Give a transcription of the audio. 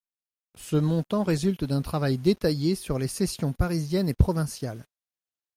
Ce montant résulte d’un travail détaillé sur les cessions parisiennes et provinciales.